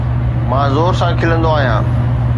مان زور سان کلندو آهيان